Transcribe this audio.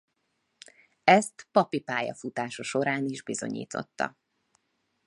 Ezt papi pályafutása során is bizonyította.